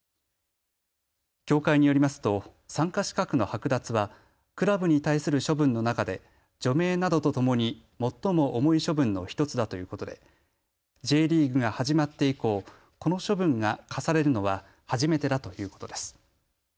協会によりますと参加資格の剥奪はクラブに対する処分の中で除名などとともに最も重い処分の１つだということでＪリーグが始まって以降、この処分が科されるのは初めてだということです。